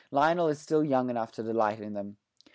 Lionel is still young enough to delight in them.